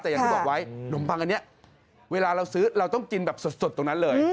แต่อย่างที่บอกไว้นมปังอันนี้เวลาเราซื้อเราต้องกินแบบสดตรงนั้นเลย